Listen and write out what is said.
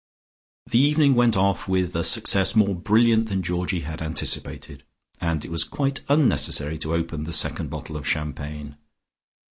The evening went off with a success more brilliant than Georgie had anticipated, and it was quite unnecessary to open the second bottle of champagne.